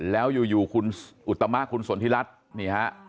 แล้วอยู่คุณอุตมะคุณสนทิรัฐนี่ฮะ